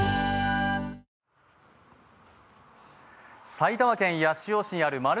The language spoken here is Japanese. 埼玉県八潮市にあるまる